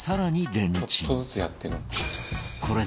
「ちょっとずつやっていくんだ」